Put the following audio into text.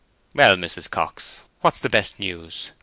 "Well, Mrs. Cox, what's the best news?"